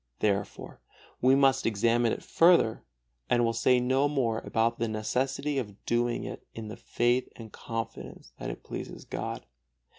Therefore we must examine it further, and will say no more about the necessity of doing it in the faith and confidence that it pleases God.